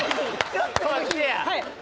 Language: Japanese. ちょっと待ってや。